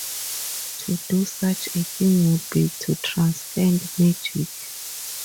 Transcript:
To do such a thing would be to transcend magic.